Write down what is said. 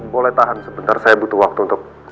boleh tahan sebentar saya butuh waktu untuk